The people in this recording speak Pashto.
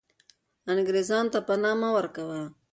انګریزانو ته پنا مه ورکوه.